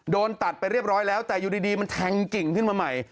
โดนตัดไปเรียบร้อยแล้วแต่อยู่ดีมันแทงกิ่งขึ้นมาใหม่